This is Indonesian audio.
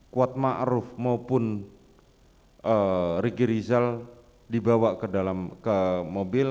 kuatma aruf maupun riki rizal dibawa ke mobil